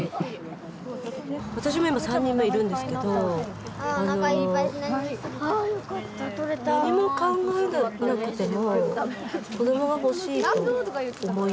私も今３人目いるんですけどあの何も考えなくても子どもが欲しいと思いますね。